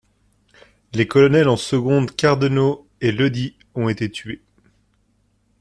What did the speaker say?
Les colonels en second Cardenau et Leudy ont été tués.